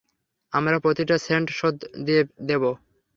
আমরা প্রতিটা সেন্ট শোধ দিয়ে দেব।